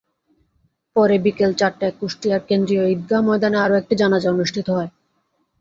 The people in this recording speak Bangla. পরে বিকেল চারটায় কুষ্টিয়ার কেন্দ্রীয় ঈদগাহ ময়দানে আরও একটি জানাজা অনুষ্ঠিত হয়।